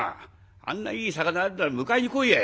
あんないい肴あるなら迎えに来いやい。